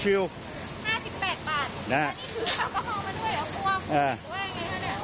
นี่คือเอาก็เอามาด้วยหรือควร